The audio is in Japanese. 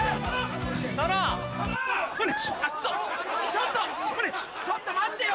ちょっと待ってよ！